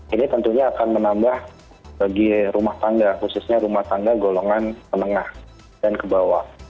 ini tentunya akan menambah bagi rumah tanda khususnya rumah tanda golongan menengah dan kebawah